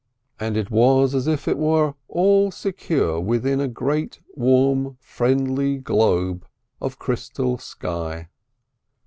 And it was as if it was all securely within a great warm friendly globe of crystal sky.